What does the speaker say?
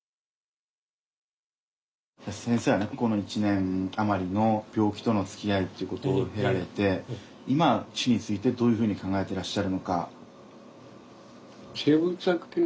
先生はこの１年余りの病気とのつきあいっていうことを経られて今死についてどういうふうに考えてらっしゃるのか。